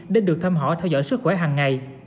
nên được thăm họ theo dõi sức khỏe hàng ngày